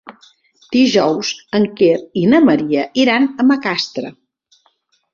Dijous en Quer i na Maria iran a Macastre.